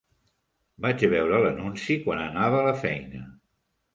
Vaig veure l'anunci quan anava a la feina.